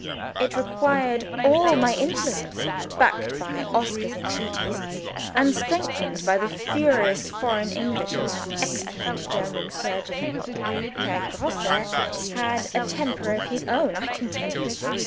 It required all my influence, backed by Oscar's entreaties, and strengthened by the furious foreign English of our excellent German surgeon (Herr Grosse had a temper of his own, I can tell you!)